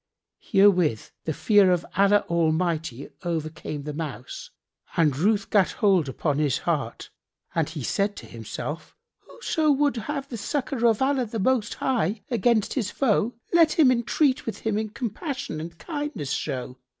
Herewith the fear of Allah Almighty overcame the Mouse and ruth gat hold upon his heart and he said in himself, "Whoso would have the succour of Allah the Most High against his foe, let him entreat him with compassion and kindness show.